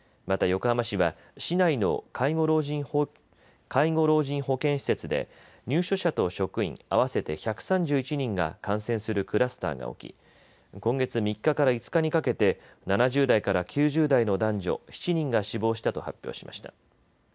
また横浜市は市内の介護老人保健施設で入所者と職員合わせて１３１人が感染するクラスターが起き今月３日から５日にかけて７０代から９０代の男女７人が死亡したと発表しました。